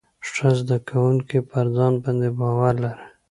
ښه زده کوونکي پر ځان باندې باور لري.